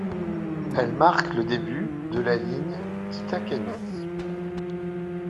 Elle marque le début de la ligne Kitakami.